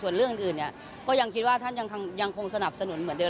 ส่วนเรื่องอื่นเนี่ยก็ยังคิดว่าท่านยังคงสนับสนุนเหมือนเดิ